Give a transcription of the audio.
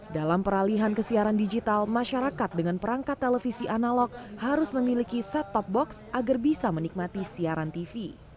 dalam peralihan ke siaran digital masyarakat dengan perangkat televisi analog harus memiliki set top box agar bisa menikmati siaran tv